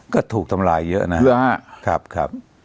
ก็ถูกทำลายเยอะนะครับ